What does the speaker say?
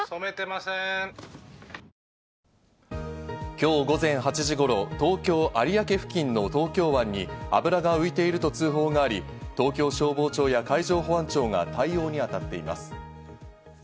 今日午前８時頃、東京・有明付近の東京湾に油が浮いていると通報があり、東京消防庁や海上保安庁が対応に当たっています。